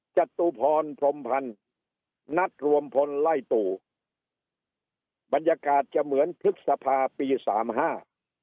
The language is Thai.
จตุพรพรมพันธ์นัดรวมพลไล่ตู่บรรยากาศจะเหมือนพฤษภาปีสามห้า